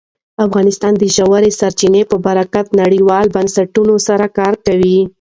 افغانستان د ژورې سرچینې په برخه کې نړیوالو بنسټونو سره کار کوي.